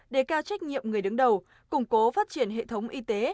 đề cao trách nhiệm người đứng đầu củng cố phát triển hệ thống y tế